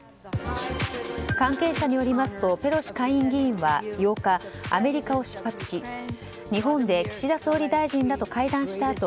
関係者によりますとペロシ下院議員は８日アメリカを出発し、日本で岸田総理大臣らと会談した